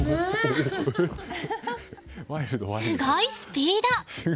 すごいスピード！